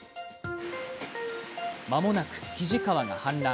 まもなく、肱川が氾濫。